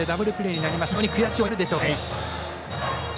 非常に悔しい思いはあるでしょうからね。